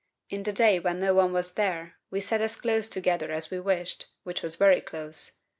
In the day when no one was there we sat as close together as we wished, which was very close.